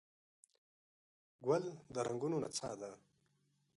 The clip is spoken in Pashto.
ګل د رنګونو نڅا ده.